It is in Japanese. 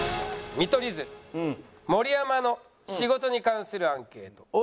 見取り図盛山の仕事に関するアンケート。